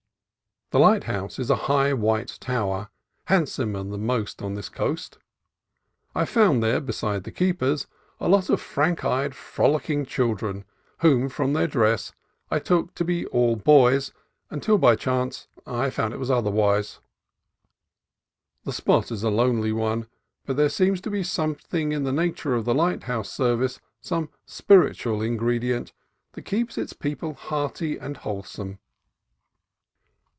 The lighthouse is a high white tower, handsomer than most of those on this coast. I found there, be sides the keepers, a lot of frank eyed, frolicking children whom from their dress I took to be all boys until by chance I found it was otherwise. The spot is a lonely one, but there seems to be something in the nature of the lighthouse service, some spiritual ingredient, that keeps its people hearty and whole some.